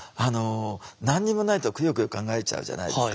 何にもないとくよくよ考えちゃうじゃないですか。